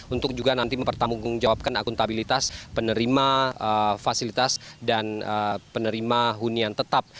untuk juga nanti mempertanggungjawabkan akuntabilitas penerima fasilitas dan penerima hunian tetap